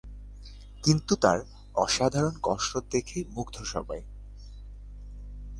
কিন্তু তার অসাধারণ কসরত দেখে মুগ্ধ সবাই।